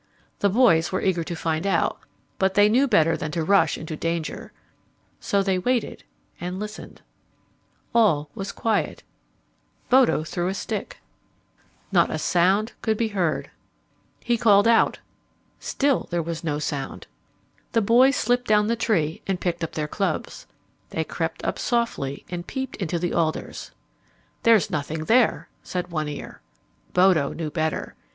The boys were eager to find out, but they knew better than to rush into danger. So they waited and listened. All was quiet. Bodo threw a stick. [Illustration: "They crept up softly and peeped into the alders"] Not a sound could be heard. He called out. Still there was no sound. The boys slipped down the tree and picked up their clubs. They crept up softly and peeped into the alders. "There's nothing there," said One Ear. Bodo knew better.